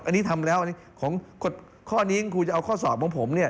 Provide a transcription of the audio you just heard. อันนี้ทำแล้วข้อนี้ครูจะเอาข้อสอบของผม